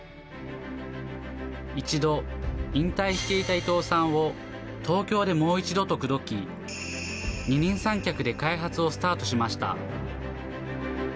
一度、引退していた伊藤さんを東京でもう一度と口説き、二人三脚で開発をスタートしました。